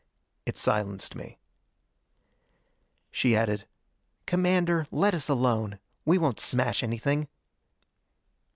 It silenced me. She added, "Commander, let us alone. We won't smash anything."